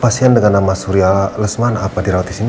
pasien dengan nama surya lesman apa dirawat disini